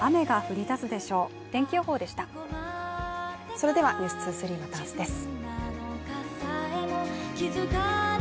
それでは「ｎｅｗｓ２３」また明日です。